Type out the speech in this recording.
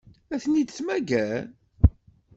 Ad ten-id-temmager?